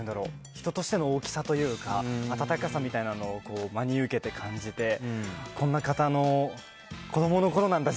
人としての大きさというか温かさみたいなのを真に受けて感じてこんな方の子供のころなんだ